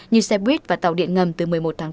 như xe buýt và tàu điện ngầm từ một mươi một tháng bốn